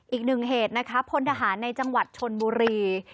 อีกหนึ่งเหตุนะคะพลทหารในจังหวัดชนบุรี